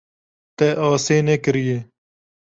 Te asê nekiriye.